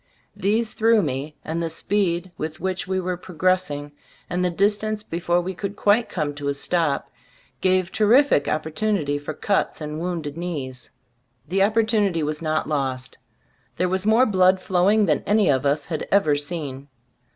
These threw me, and the speed with which we were progressing, and the dis tance before we could quite come to a stop, gave terrific opportunity for cuts and wounded knees. The oppor tunity was not lost. There was more blood flowing than any of us had ever seen.